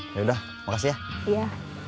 yaudah makasih ya